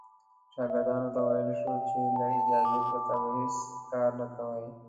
شاګردانو ته وویل شول چې له اجازې پرته به هېڅ کار نه کوي.